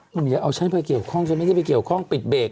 มึงจะเอาฉันไปเกี่ยวข้องเธอไม่ได้ไปเกี่ยวข้องปิดเบรก